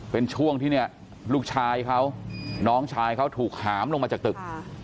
เป็นช่วงที่เนี่ยลูกชายเขาน้องชายเขาถูกหามลงมาจากตึก